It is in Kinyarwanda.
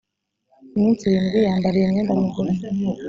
iminsi irindwi yambara iyo myenda migufi